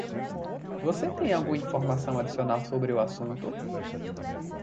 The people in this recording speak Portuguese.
Você tem alguma informação adicional sobre o assunto?